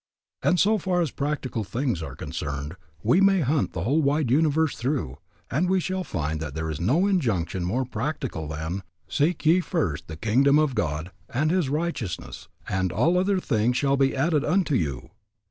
And so far as practical things are concerned, we may hunt the wide universe through and we shall find that there is no injunction more practical than, Seek ye first the kingdom of God and His righteousness and all other things shall be added unto you.